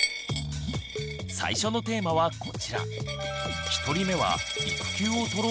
最初のテーマはこちら。